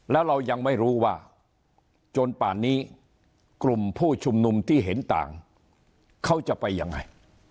แล้วเรายังไม่รู้ว่าจนป่านนี้กลุ่มผู้ชุมนุมที่เห็นต่างเขาจะไปยังไง